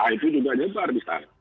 ip juga nyebar di sana